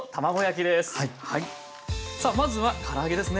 さあまずはから揚げですね。